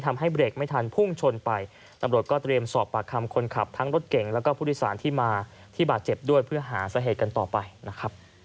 ทำให้เบรกไม่ทันพุ่งชนไปตำรวจก็เตรียมสอบปากคำคนขับทั้งรถเก่งแล้วก็ผู้โดยสารที่มาที่บาดเจ็บด้วยเพื่อหาสาเหตุกันต่อไปนะครับ